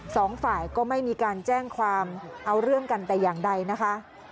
สองฝ่ายก็ไม่มีการแจ้งความเอาเรื่องกันแต่อย่างใดนะคะ